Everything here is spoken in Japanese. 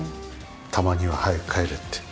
たまには早く帰れって。